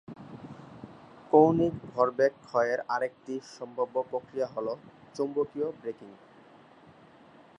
কৌণিক ভরবেগ ক্ষয়ের আরেকটি সম্ভাব্য প্রক্রিয়া হল চৌম্বকীয় ব্রেকিং।